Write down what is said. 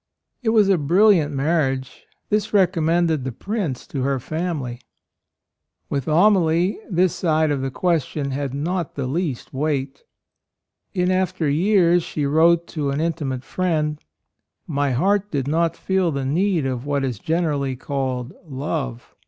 It was a brilliant AND MOTHER. 13 marriage ; this recommended the Prince to her family. With Amalie this side of the question had not the least weight. In after years she wrote to an intimate friend: "My heart did not feel the need of what is generally called love.